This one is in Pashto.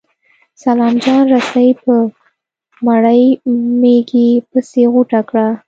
سلام جان رسۍ په مړې مږې پسې غوټه کړه.